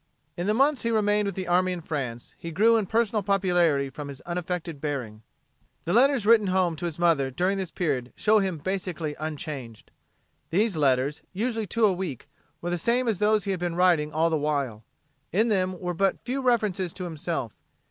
In the months he remained with the army in France he grew in personal popularity from his unaffected bearing. The letters written home to his mother during this period show him basically unchanged. These letters, usually two a week, were the same as those he had been writing all the while. In them were but few references to himself.